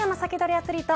アツリート